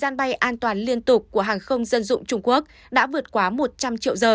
sân bay an toàn liên tục của hàng không dân dụng trung quốc đã vượt quá một trăm linh triệu giờ